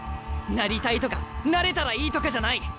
なりたいとかなれたらいいとかじゃない。